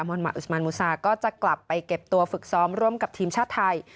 อนมาอุสมันมูซาก็จะกลับไปเก็บตัวฝึกซ้อมร่วมกับทีมชาติไทย